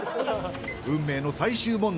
運命の最終問題。